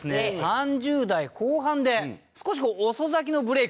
３０代後半で少し遅咲きのブレイク。